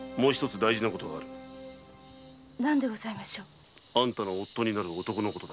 何でございましょう？あんたの夫になる男のことだ。